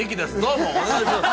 もうお願いします。